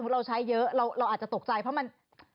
เราใช้เยอะเราอาจจะตกใจเพราะมัน